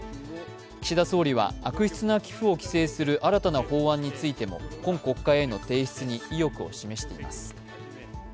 岸田総理は、悪質な寄付を規制する新たな法案についても今国会への提出に意欲を示しています。